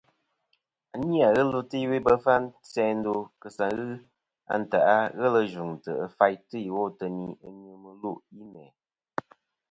À nî nà fî ghɨ ɨlvɨ ta iwo i bef ɨ isas ì ndo kèsa a ntèʼ ghelɨ yvɨ̀ŋtɨ̀ ɨ faytɨ ìwo ateyn ɨ nyvɨ mɨlûʼ yi mæ̀.